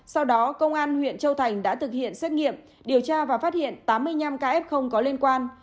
sau đó công an huyện châu thành đã thực hiện xét nghiệm điều tra và phát hiện tám mươi năm ca f có liên quan